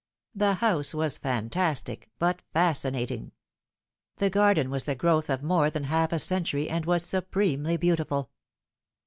The house was fantas tic, but fascinating. The garden was the growth of more than half a century, and was supremely beautiful.